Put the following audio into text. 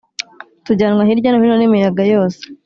tujyanwa hirya no hino n imiyaga yose